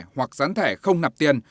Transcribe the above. hoặc gián thẻ không nạp tiền